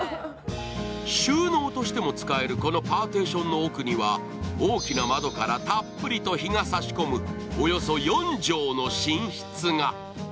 収納としても使えるこのパーティションの奥には大きな窓からたっぷりと日が差し込むおよそ４畳の寝室が。